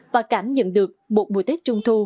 và cảm nhận được một mùa tết trung thu